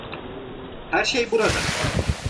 Her şey burada.